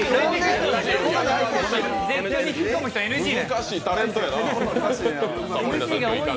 難しいタレントやな。